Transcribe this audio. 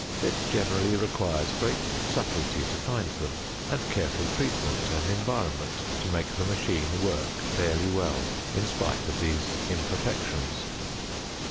It generally requires great subtlety to find them, and careful treatment and environment to make the machine work fairly well in spite of these imperfections.